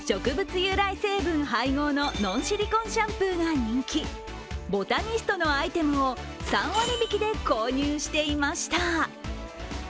由来成分配合のノンシリコンシャンプーが人気、ボタニストのアイテムを３割引で購入していました。